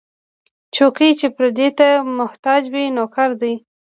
څوک چې پردي ته محتاج وي، نوکر دی.